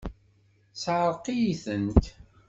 Tesεeṛqeḍ-iyi-tent!